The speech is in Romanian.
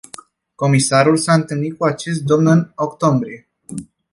Comisarul s-a întâlnit cu acest domn în octombrie.